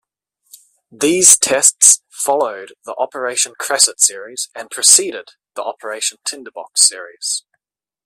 These tests followed the "Operation Cresset" series and preceded the "Operation Tinderbox" series.